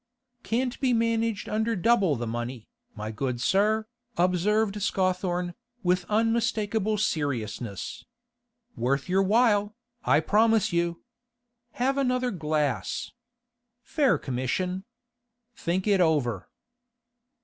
'Can't be managed under double the money, my good sir,' observed Scawthorne, with unmistakable seriousness. 'Worth your while, I promise you. Have another glass. Fair commission. Think it over.